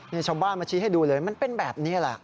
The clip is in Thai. นี่ชาวบ้านมาชี้ให้ดูเลยมันเป็นแบบนี้แหละ